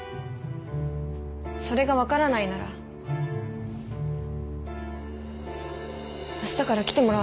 それが分からないなら明日から来てもらわなくていいわ。